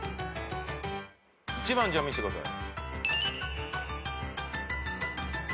１番見してください。